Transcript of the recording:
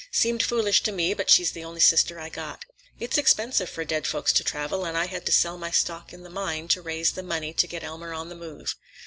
Seemed foolish to me, but she's the only sister I got. It's expensive for dead folks to travel, and I had to sell my stock in the mine to raise the money to get Elmer on the move.